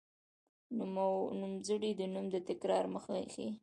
نومځری د نوم د تکرار مخه ښيي.